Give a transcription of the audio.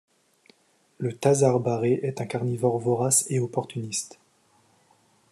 Le Thazard barré est un carnivore vorace et opportuniste.